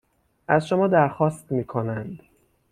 از شما در خواست می کنند